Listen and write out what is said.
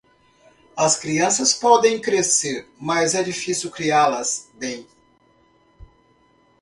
As crianças podem crescer, mas é difícil criá-las bem.